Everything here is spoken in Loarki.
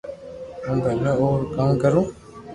ھون ڀلا او رو ڪاو ڪرو